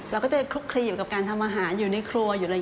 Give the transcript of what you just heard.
เราก็จะคลุกคลีอยู่กับการทำอาหารอยู่ในครัว